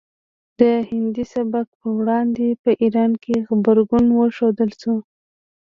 د هندي سبک په وړاندې په ایران کې غبرګون وښودل شو